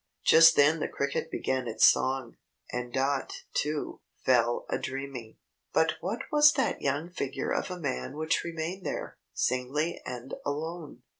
Just then the cricket began its song, and Dot, too, fell a dreaming. But what was that young figure of a man which remained there, singly and alone?